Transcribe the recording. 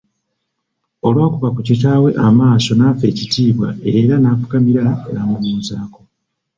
Olw'akuba ku kitaawe amaaso nafa ekitiibwa era n'afukamira namubuuzaako.